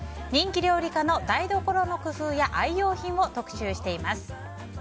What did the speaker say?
人気料理家の台所の工夫や愛用品を特集しています。